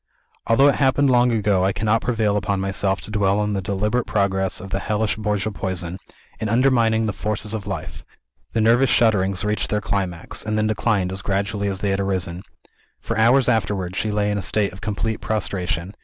Although it happened long ago, I cannot prevail upon myself to dwell on the deliberate progress of the hellish Borgia poison, in undermining the forces of life. The nervous shudderings reached their climax, and then declined as gradually as they had arisen. For hours afterwards, she lay in a state of complete prostration.